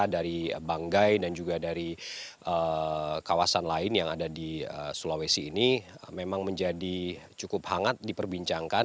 dari banggai dan juga dari kawasan lain yang ada di sulawesi ini memang menjadi cukup hangat diperbincangkan